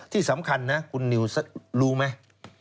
ที่สำคัญนะคุณนิวรู้ไหม